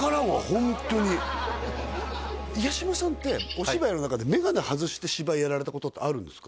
ホントに八嶋さんってお芝居の中で眼鏡外して芝居やられたことってあるんですか？